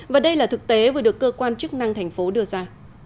và đây là thực tế vừa được cơ quan chức năng thành phố đưa ra